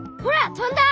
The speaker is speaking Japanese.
とんだ。